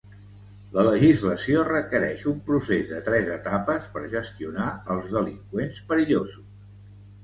La legislació requereix un procés de tres etapes per gestionar els delinqüents perillosos.